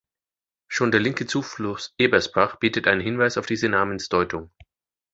Schon der linke Zufluss "Ebersbach" bietet einen Hinweis auf diese Namensdeutung.